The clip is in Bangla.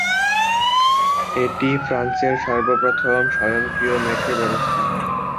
এটি ফ্রান্সের সর্বপ্রথম স্বয়ংক্রিয় মেট্রো ব্যবস্থা।